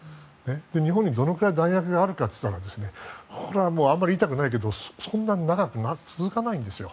日本にどのくらい弾薬があるかといったらあまり言いたくないけどそんなに長く続かないんですよ。